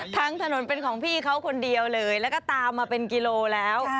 ทั้งถนนเป็นของพี่เขาคนเดียวเลยแล้วก็ตามมาเป็นกิโลแล้ว